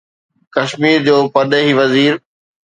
ڪشمير جو پرڏيهي وزير